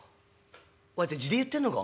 「お前地で言ってんのか？